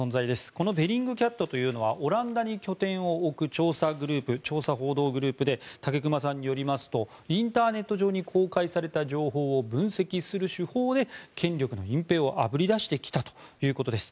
このベリングキャットというのはオランダに拠点を置く調査報道グループで武隈さんによりますとインターネット上に公開された情報を分析する手法で権力の隠ぺいをあぶり出してきたということです。